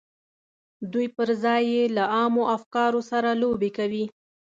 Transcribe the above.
دوی پر ځای یې له عامو افکارو سره لوبې کوي